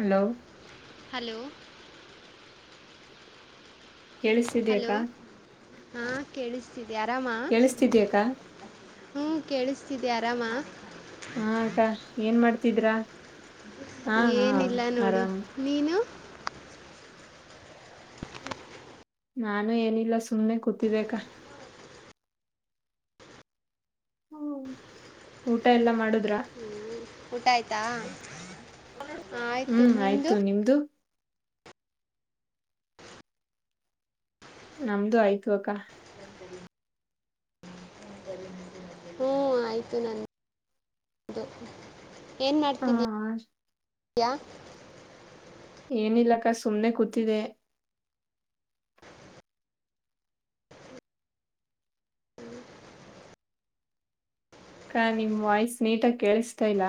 Hello hello ಕೇಳಿಸ್ತಿದಿಯಾ ಅಕ್ಕ hello ಹಾಂ ಕೇಳಿಸ್ತಿದೆ ಆರಾಮ ಹ್ಮ್ ಕೇಳಿಸ್ತಿದೆ ಆರಾಮ ತಿದ್ರಾ ಹಾ ಹಾ ಏನಿಲ್ಲ ನೋಡು ಆರಾಮ ನೀನು ನಾನು ಏನಿಲ್ಲ ಸುಮ್ಮನೆ ಕೂತಿದ್ದೆ ಅಕ್ಕ ಊಟ ಎಲ್ಲಾ ಮಾಡುದ್ರ ಊಟ ಆಯ್ತಾ ಆಯ್ತು ಹ್ಮ್ ನಿಮ್ದು ಆಯ್ತು ನಮ್ದು ಆಯ್ತುು ಅಕ್ಕಾ ಆಯ್ತು ನಂದು ಏನ್ ಮಾಡ್ತಿದ್ದೀಯ ಹ ಯ ಏನಿಲ್ಲಾಕ್ಕ ಸುಮ್ನೆ ಕೂತಿದ್ದೆ ಹ್ಮ [inaudible] ಅಕ್ಕ ನಿಮ್ ವಾಯ್ಸ್ ನೀಟಾಗಿ ಕೇಳಿಸತಾ ಇಲ್ಲ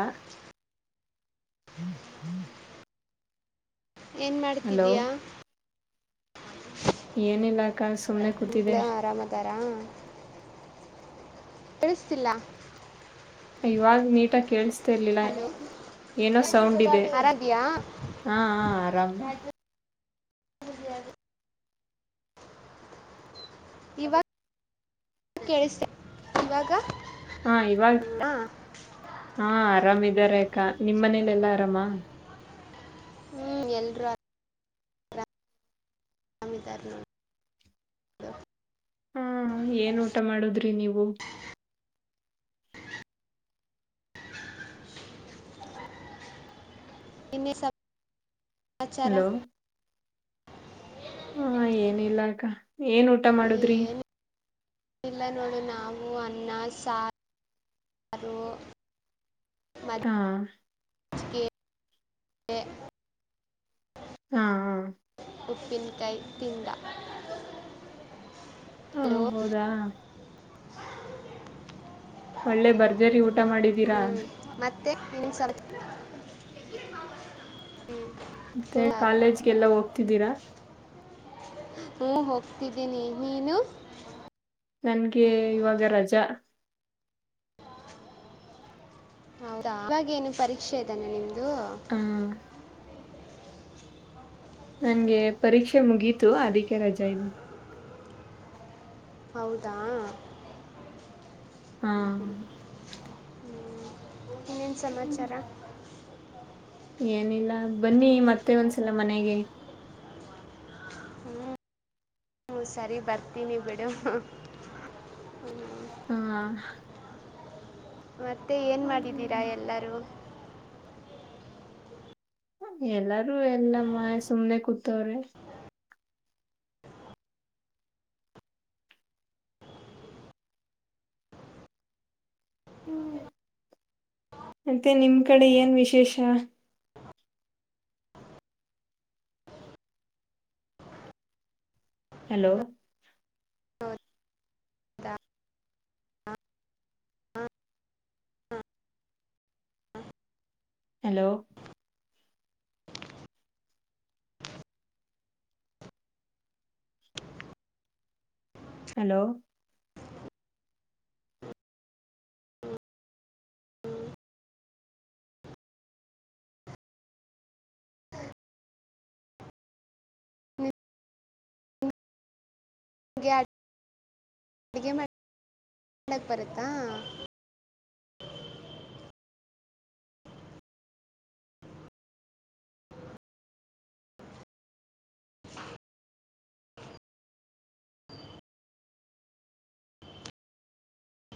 ಹ್ಮ್ ಹ್ಮ್ [inaudible] ಏನ್ ಮಾಡ್ತಿದೀಯಾ ಏನಿಲ್ಲ ಅಕ್ಕ ಸುಮ್ನೆ ಬಂದ್ ಕೂತಿದೆ ಕುಡ್ಲೆ ಆರಾಮ ಅದರಾ ಕೇಳಿಸ್ತಿಲ್ಲ ಅಯ್ಯೋ ಇವಾಗ ನೀಟಾಗಿ ಕೇಳಸ್ತಿರ್ಲಿಲ್ಲ ಹಲೋ ಏನೋ ಸೌಂಡ್ ಇದೆ ಆರಾಮಿದ್ಯಾ ಹಾ ಹಾ ಆರಾಮ ಇವಾಗ ಕೇಳಿಸ ಇವಾಗ ಹಾ ಇವಾಗ ಹಾಂ ಹಾ ಆರಾಮಿದಾರೆ ಅಕ್ಕ ನಿಮ್ ಮನೇಲೆಲ್ಲಾ ಆರಾಮ ಹ್ಮ್ ಎಲ್ರೂ ಆರಾಮ್ ಅರಾಮಿದಾರ ನೋಡು ಹಾ ಏನ್ ಊಟ ಮಾಡುದ್ರಿ ನೀವು ಇನ್ನ ಏನ್ ಸಮಾಚಾರ ಹಲೋ ಹಾ ಏನಿಲ್ಲ ಅಕ್ಕ ಏನ್ ಊಟ ಮಾಡುದ್ರಿ ಏನು ಇಲ್ಲ ನೋಡು ನಾವು ಅನ್ನ ಸಾರ್ ಸಾರು ಹಾ ಕೆ ಎ [unintelligible] ಹಾ ಹಾ ಉಪ್ಪಿನ್ ಕಯ್ ತಿಂದ ಹಾ, ಹಲೋ ಹೌದಾ ಒಳ್ಳೆ ಬರ್ಜರಿ ಊಟ ಮಾಡಿದ್ದೀರಾ. ಹ್ಞೂ ಎ ಮತ್ತೆ ಕಾಲೇಜ್ಗೆಲ್ಲ ಹೋಗ್ತಿದ್ದೀರಾ. [unintelligible] ಹೋಗ್ತಿದ್ದೀನಿ ನೀನು. ನನ್ಗೆ ಇವಾಗ ರಜಾ. ಹೌದಾ ಇವಾಗೇ ಏನು ಪರೀಕ್ಷೆ [unintelligible] ನಿಮ್ದು. ಹ ನಂಗೆ ಪರೀಕ್ಷೆ ಮುಗೀತು ಅದಕ್ಕೆ ರಜೆ ಇದೆ. ಹೌದಾ ಹಾ ಇನ್ನೇನ್ ಹ್ಮ್. ಸಮಾಚಾರ. ಏನಿಲ್ಲ ಬನ್ನಿ ಮತ್ತೆ ಒಂದ್ಸಲ ಮನೆಗೆ. ಹ್ಮ್ ಹ್ಮ ಸರಿ ಬರ್ತೀನಿ ಬಿಡು. ಹಾ ಮತ್ತೆ ಏನ ಮಾಡಿದ್ದೀರಾ ಎಲ್ಲರೂ. ಎಲ್ಲಾರೂ ಎಲ್ಲಮ್ಮ ಸುಮ್ನೆ ಕೂತವ್ರೆ. [unintelligible] ಮತ್ತೆ ನಿಮ್ ಕಡೆ ಏನ್ ವಿಶೇಷ. ಹಲೋ [unintelligible] ಹಲೋ ಹಲೋ [unintelligible] ಹಾ [unintelligible] ಅಡುಗೆ ಮಾಡ [unintelligible] ಮಾಡಕ್ ಬರತ್ತಾ. ಹ